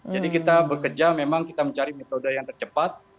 jadi kita bekerja memang kita mencari metode yang tercepat